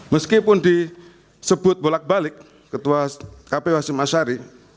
meskipun disebut bolak balik ketua kpu hashim ashari